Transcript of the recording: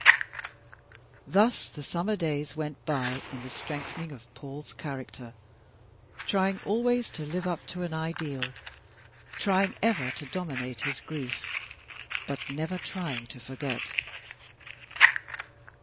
Thus the summer days went by in the strengthening of Paul's character trying always to live up to an ideal trying ever to dominate his grief but never trying to forget.